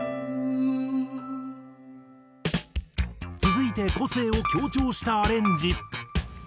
続いて個性を強調したアレンジ。